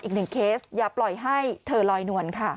อีกหนึ่งเคสอย่าปล่อยให้เธอลอยนวลค่ะ